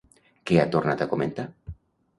Què ha tornat a comentar?